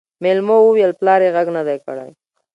مېلمو وويل پلار يې غږ نه دی کړی.